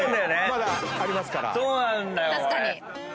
まだありますから。